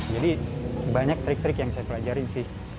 jadi banyak trik trik yang saya pelajarin sih